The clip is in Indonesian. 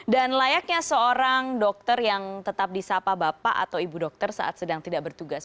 dan layaknya seorang dokter yang tetap di sapa bapak atau ibu dokter saat sedang tidak bertugas